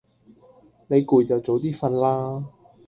你攰就早啲瞓啦